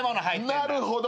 なるほど。